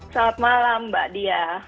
selamat malam mbak dia